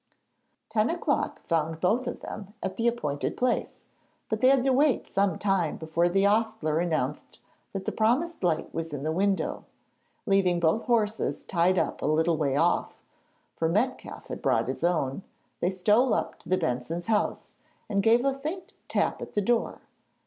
Ten o'clock found them both at the appointed place, but they had to wait some time before the ostler announced that the promised light was in the window. Leaving both horses tied up a little way off for Metcalfe had brought his own they stole up to the Bensons' house and gave a faint tap at the door.